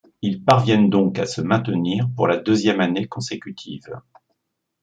Ils parviennent donc à se maintenir pour la deuxième année consécutive.